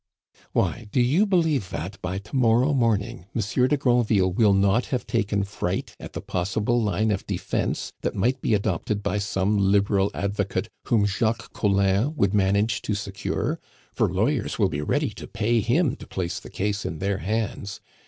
"Why, do you believe that, by to morrow morning, Monsieur de Granville will not have taken fright at the possible line of defence that might be adopted by some liberal advocate whom Jacques Collin would manage to secure; for lawyers will be ready to pay him to place the case in their hands!